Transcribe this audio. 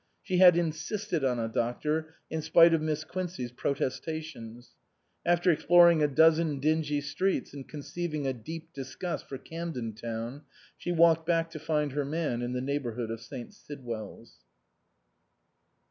She had insisted on a doctor, in spite of Miss Quincey's protestations. After exploring a dozen dingy streets and conceiving a deep disgust for Camden Town, she walked back to find her man in the neighbourhood of St. Sidwell's.